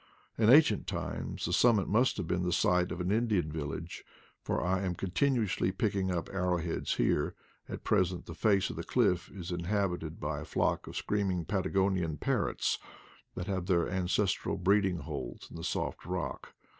In ancient times the sum mit must have been the site of an Indian village, for I am continually picking up arrow heads here ; at present the face of the cliff is inhabited by a flock of screaming Patagonian parrots, that have their ancestral breeding holes in the soft rock.